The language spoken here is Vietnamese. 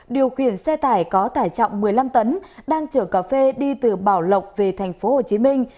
điều khiển xe tải có tải trọng một mươi năm tấn đang chở cà phê đi từ bảo lộc về thành phố hồ chí minh